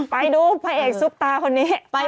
ไปดูพล่าอเหกชุบตาคนนี้